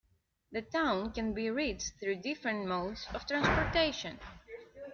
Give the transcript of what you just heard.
The town can be reached through different modes of transportation.